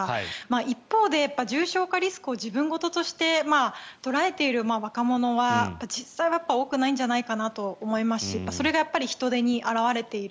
一方で、重症化リスクを自分事として捉えている若者は実際は多くないんじゃないかなと思いますしそれが人出に表れている。